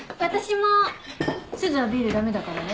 すずはビール駄目だからね。